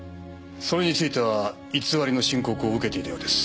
それについては偽りの申告を受けていたようです。